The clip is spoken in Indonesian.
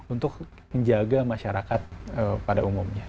untuk menjaga masyarakat pada umumnya